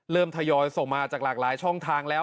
ทยอยส่งมาจากหลากหลายช่องทางแล้ว